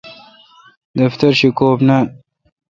دفتر شی کوبی نان۔